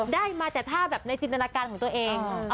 ได้มาแต่ถ้าแบบในจินตนาการของตัวเอง